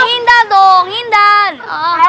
indra dong indra